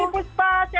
terima kasih puspa